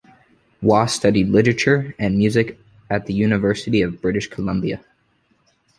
Wah studied literature and music at the University of British Columbia.